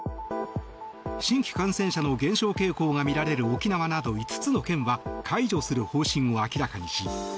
新規感染者の減少傾向がみられる沖縄など５つの県は解除する方針を明らかにし